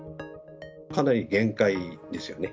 かなり限界ですよね。